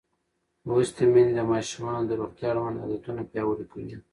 لوستې میندې د ماشومانو د روغتیا اړوند عادتونه پیاوړي کوي.